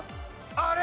あれ？